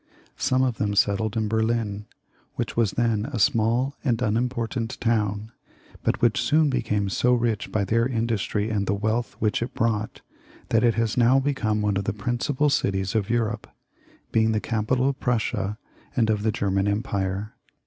Some of them settled in Berlin, which was then a small and imimportant town, but which soon became so rich by their industry and the wealth which it brought, that it has now become one of the principal cities of Europe, being the capital of Prussia and of the German Empire.